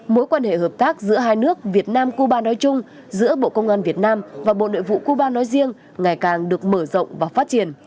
mối quan hệ hợp tác giữa hai nước việt nam cuba nói chung giữa bộ công an việt nam và bộ nội vụ cuba nói riêng ngày càng được mở rộng và phát triển